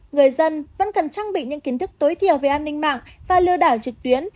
người dân vẫn cần trang bị những kiến thức tối thiểu về an ninh mạng và lừa đảo trực tuyến